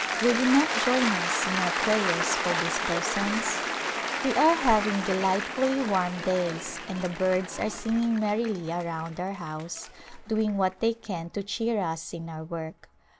Will you not join us in our prayers for these persons ? We are having delightfully warm days and the birds are singing merrily around our house, doing what they can to cheer us in our work.